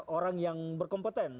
orang yang berkompeten